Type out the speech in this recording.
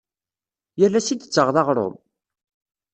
Yal ass i d-tettaɣeḍ aɣrum?